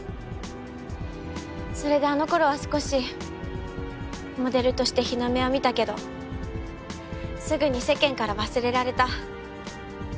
それであの頃は少しモデルとして日の目を見たけどすぐに世間から忘れられた。